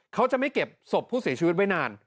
เขาจะไม่เก็บศพผู้เสียชีวิตไว้นาน